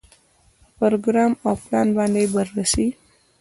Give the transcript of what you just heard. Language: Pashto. په پروګرام او پلان باندې بررسي.